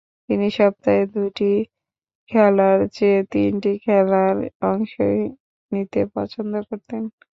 তিনি সপ্তাহে দুইটি খেলার চেয়ে তিনটি খেলায় অংশ নিতে পছন্দ করতেন।